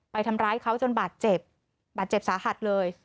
ไปทำร้ายเขาจนบาดเจ็บบาดเจ็บสาหัสเลย